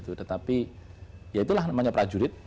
tetapi itulah namanya prajurit